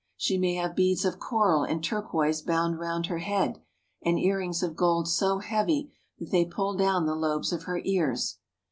She may have beads of coral and turquoise bound round her head, and earrings of gold so heavy that they pull down the lobes of her ears.